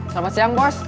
selamat siang bos